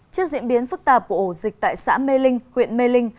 trước diễn biến phức tạp của ổ dịch tại xã mê linh huyện mê linh